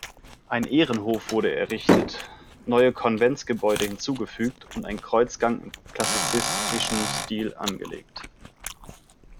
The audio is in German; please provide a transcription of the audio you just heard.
Ein Ehrenhof wurde errichtet, neue Konventsgebäude hinzugefügt und ein Kreuzgang im klassizistischen Stil angelegt.